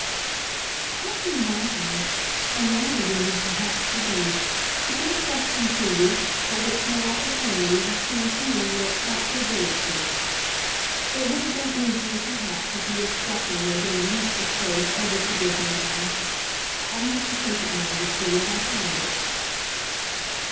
"I've been wanting and longer than you'd perhaps believe to put a question to you for which no opportunity has seemed to me yet quite so good as this. It would have been easier perhaps if you had struck me as in the least disposed ever to give me one. I have to take it now, you see, as I find it."